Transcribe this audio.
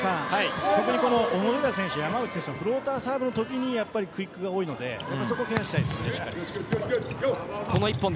山内選手のフローターサーブのときにクイックが多いのでそこをケアしたいですね。